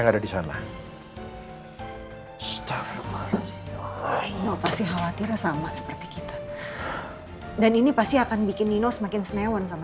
ada di sana pasti khawatirnya sama seperti kita dan ini pasti akan bikin nino semakin senewan sama